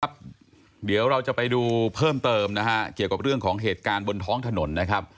เดี๋ยวเราจะไปดูเพิ่มเติมนะฮะเกี่ยวกับเรื่องของเหตุการณ์บนท้องถนนนะครับ